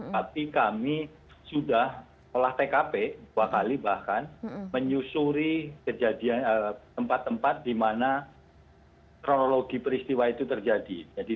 tapi kami sudah olah tkp dua kali bahkan menyusuri tempat tempat di mana kronologi peristiwa itu terjadi